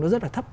nó rất là thấp